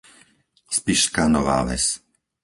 Spišská Nová Ves